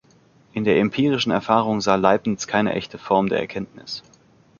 In der empirischen Erfahrung sah Leibniz keine echte Form der Erkenntnis.